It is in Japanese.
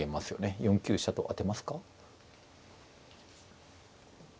４九飛車と当てますか？